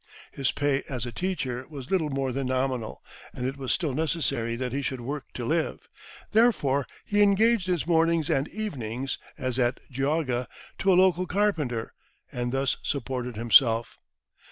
His pay as a teacher was little more than nominal, and it was still necessary that he should work to live, therefore he engaged his mornings and evenings, as at Geauga, to a local carpenter, and thus supported himself.